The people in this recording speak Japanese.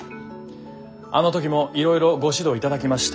あの時もいろいろご指導いただきまして。